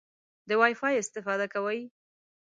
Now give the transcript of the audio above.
د وای فای استفاده کوئ؟